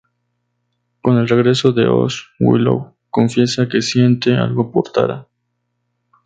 Con el regreso de Oz, Willow confiesa que siente algo por Tara.